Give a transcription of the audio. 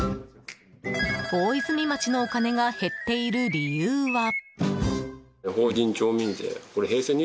大泉町のお金が減っている理由は。